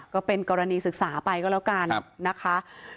ก็เป็นกรณีศึกษาไปก็แล้วกันนะคะ